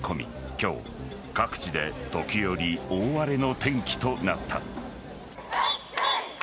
今日、各地で時折、大荒れの天気となった。